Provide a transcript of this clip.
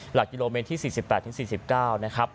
หลักกิโลเมตรที่๔๘๔๙นะครับ